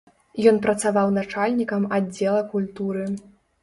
Ён працаваў начальнікам аддзела культуры.